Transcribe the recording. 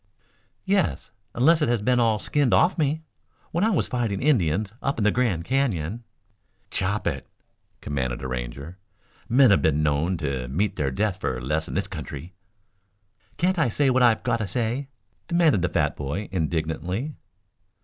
"Yes, unless it has been all skinned off from me. When I was fighting Indians up in the Grand Canyon " "Chop it!" commanded a Ranger. "Men have been known to meet their death for less in this country." "Can't I say what I've got to say?" demanded the fat boy indignantly.